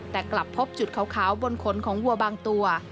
แต่กลับพบจุดขาวบนขนของวัวบางตัว